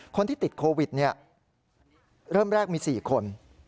คนที่ติดโควิดเนี่ยเริ่มแรกมี๔คน